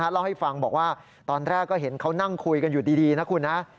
เล่าให้ฟังบอกว่าตอนแรกก็เห็นเขานั่งคุยกันอยู่ดีนะคุณนะ